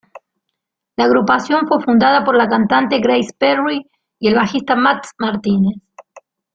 La agrupación fue fundada por la cantante Grace Perry y el bajista Matt Martínez.